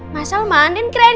mas salman ini keren